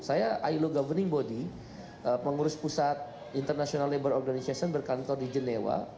saya ilo governing body pengurus pusat international labor organization berkantor di genewa